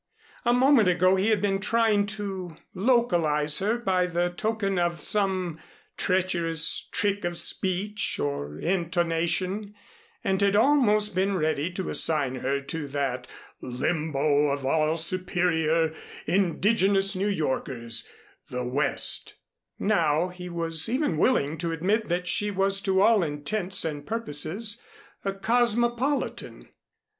A moment ago he had been trying to localize her by the token of some treacherous trick of speech or intonation and had almost been ready to assign her to that limbo of all superior indigenous New Yorkers "the West"; now he was even willing to admit that she was to all intents and purposes a cosmopolitan.